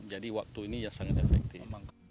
jadi waktu ini sangat efektif